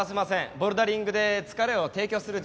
ボルダリングで疲れを提供する時代です。